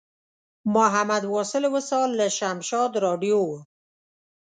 محمد واصل وصال له شمشاد راډیو و.